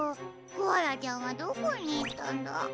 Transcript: コアラちゃんはどこにいったんだ？